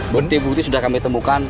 bukti bukti sudah kami temukan